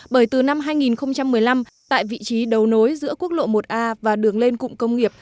bởi từ năm hai nghìn một mươi năm tại vị trí đầu nối giữa quốc lộ một a và đường lên cụm công nghiệp